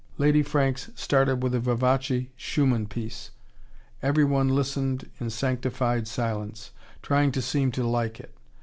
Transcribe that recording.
Lady Franks started with a vivace Schumann piece. Everybody listened in sanctified silence, trying to seem to like it.